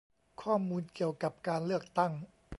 ข้อมูลเกี่ยวกับการเลือกตั้ง